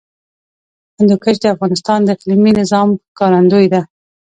هندوکش د افغانستان د اقلیمي نظام ښکارندوی ده.